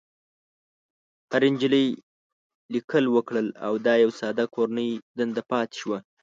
هرې نجلۍ ليکل وکړل او دا يوه ساده کورنۍ دنده پاتې شوه.